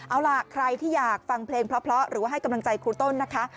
เอาล่ะใครที่อยากฟังเพลงเพราะหรือว่าให้กำลังใจครูต้นนะคะ